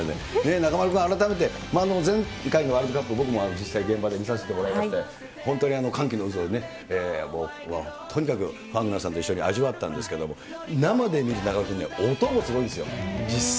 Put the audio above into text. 中丸君、改めて前回のワールドカップ、僕も実際現場で見させてもらいまして、本当に歓喜の渦をね、とにかくファンの皆さんと一緒に味わったんですけれども、生で見ると、中丸君ね、音もすごいんですよ、実際。